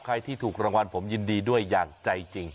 ใครที่ถูกรางวัลผมยินดีด้วยอย่างใจจริง